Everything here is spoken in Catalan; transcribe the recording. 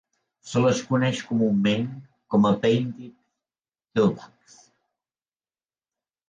Se les coneix comunament com a "painted keelbacks".